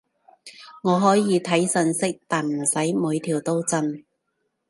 我可以睇消息，但唔使每條都震